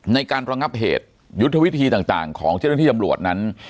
ในการระงับเหตุยุทธวิธีต่างของเจ้าหน้าที่ตำรวจนั้น